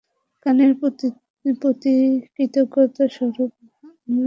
কনের প্রতি কৃতজ্ঞতাস্বরূপ, আমরা নাচব।